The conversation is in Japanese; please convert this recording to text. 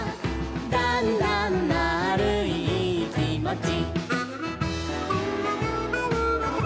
「だんだんまぁるいいいきもち」